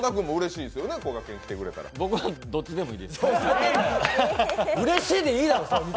うれしいでいいだろ！